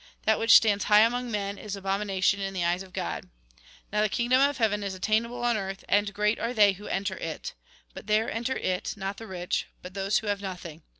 That which stands high among men, is abomination in the eyes of God. Now the kingdom of heaven is attainable on earth, and great are they who enter it. But there enter it, not the rich, but those who have nothing.